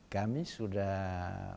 kami sudah menjelang